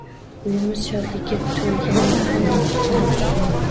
Uyimiz shodlikka toʻlgandi, hamma xursand...